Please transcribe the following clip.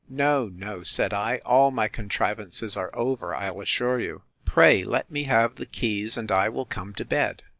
—No, no, said I, all my contrivances are over, I'll assure you! Pray let me have the keys, and I will come to bed.